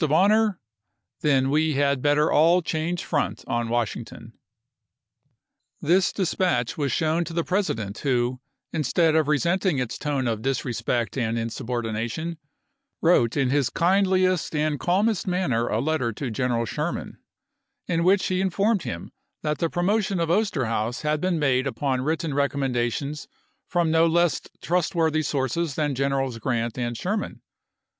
~ of honor, then we had better all change front on P°i39.' Washington." This dispatch was shown to the President who, instead of resenting its tone of disrespect and in subordination, wrote in his kindliest and calmest manner a letter to General Sherman, in which he informed him that the promotion of Osterhaus had been made upon written recommendations from no less trustworthy sources than Generals Grant and Sherman.